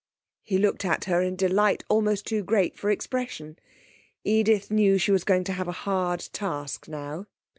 He looked at her in delight almost too great for expression. Edith knew she was going to have a hard task now.